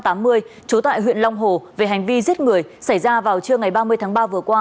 trú tại huyện long hồ về hành vi giết người xảy ra vào trưa ngày ba mươi tháng ba vừa qua